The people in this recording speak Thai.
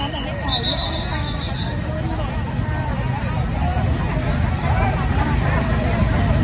อันนี้ก็มันถูกประโยชน์ก่อน